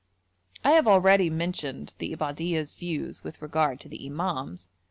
I have already mentioned the Ibadhuyah's views with regard to the imams.